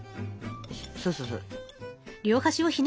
そうそうそう。